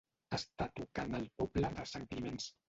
Està tocant al poble de Sant Climenç.